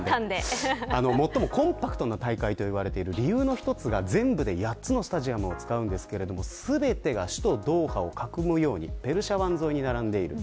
最もコンパクトな大会といわれている理由の一つが全部で８つのスタジアムを使いますが全てが首都ドーハを囲うようにペルシャ湾沿いに並んでいます。